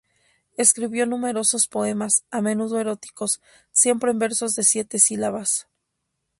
Escribió numerosos poemas, a menudo eróticos, siempre en versos de siete sílabas.